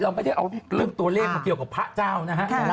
เรามันไม่ได้เอาเลวมนักตัวเล่มมาเกี่ยวกับพระเจ้านะฮะ